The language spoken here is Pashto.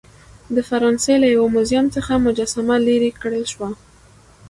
د فرانسې له یو موزیم څخه مجسمه لیرې کړل شوه.